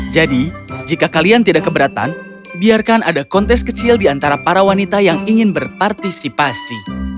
jadi jika kalian tidak keberatan biarkan ada kontes kecil di antara para wanita yang ingin berpartisipasi